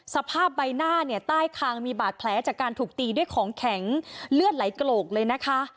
สภาพใบหน้าเนี่ยใต้คางมีบาดแผลจากการถูกตีด้วยของแข็งเลือดไหลโกกเลยนะคะ